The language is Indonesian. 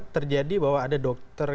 terjadi bahwa ada dokter